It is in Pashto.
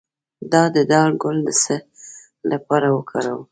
د دال ګل د څه لپاره وکاروم؟